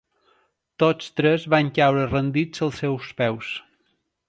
Tots tres van caure rendits als seus peus.